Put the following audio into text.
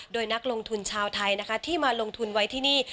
โดยนักลงทุนชาวไทยนะคะที่มาลงทุนไว้ที่นี่